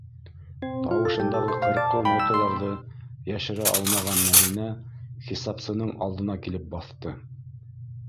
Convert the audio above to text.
- Тауышындағы ҡырҡыу ноталарҙы йәшерә алмаған Мәҙинә хисапсының алдына килеп баҫты.